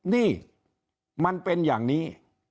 นี่มันเป็นอย่างนี้